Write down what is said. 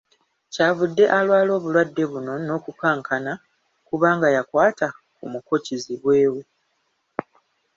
"Kyavudde alwala obulwadde buno, n’okukankana kubanga yakwata ku muko kizibwe we."